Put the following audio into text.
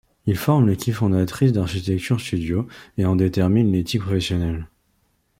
Ils forment l'équipe fondatrice d'Architecture-Studio et en déterminent l'éthique professionnelle.